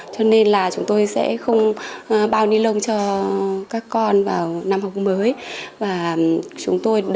cho nên là chúng tôi sẽ không bao ni lông cho các con vào năm học mới